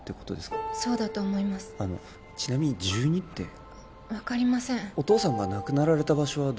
そうだと思いますちなみに１２って分かりませんお父さんが亡くなられた場所は？